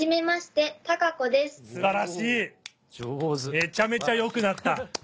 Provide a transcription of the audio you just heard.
めちゃめちゃ良くなった。